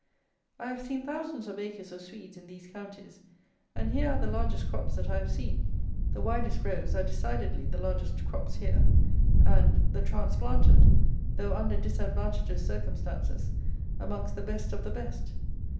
I have seen thousands of acres of Swedes in these counties, and here are the largest crops that I have seen. The widest rows are decidedly the largest crops here; and, the transplanted, though under disadvantageous circumstances, amongst the best of the best.